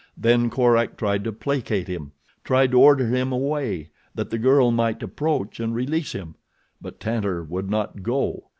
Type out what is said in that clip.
Then Korak tried to placate him. Tried to order him away, that the girl might approach and release him; but Tantor would not go.